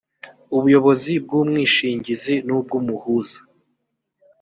ubuyobozi bw umwishingizi n ubw umuhuza